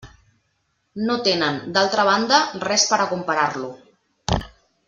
No tenen, d'altra banda, res per a comparar-lo.